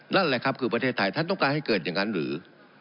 นั่นแหละครับคือประเทศไทยท่านต้องการให้เกิดอย่างนั้นหรือ